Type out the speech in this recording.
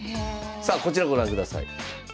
さあこちらご覧ください。